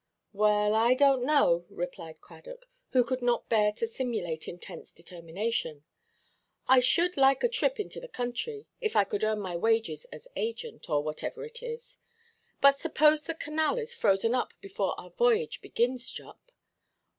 "Well, I donʼt know," replied Cradock, who could not bear to simulate intense determination; "I should like a trip into the country, if I could earn my wages as agent, or whatever it is. But suppose the canal is frozen up before our voyage begins, Jupp?"